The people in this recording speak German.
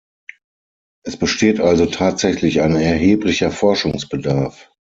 Es besteht also tatsächlich ein erheblicher Forschungsbedarf.